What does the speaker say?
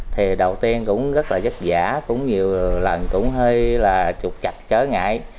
thì đầu tiên cũng rất là giấc giả cũng nhiều lần cũng hơi là trục chạch chớ ngại